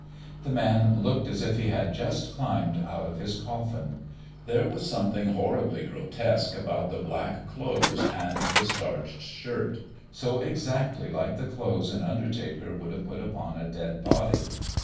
The man looked as if he had just climbed out of his coffin; there was something horribly grotesque about the black clothes and the starched shirt, so exactly like the clothes an undertaker would have put upon a dead body.